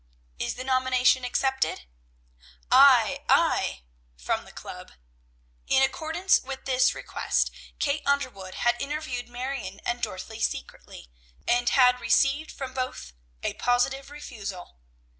"Is the nomination accepted?" "Ay! ay!" from the club. In accordance with this request, Kate Underwood had interviewed Marion and Dorothy secretly, and had received from both a positive refusal.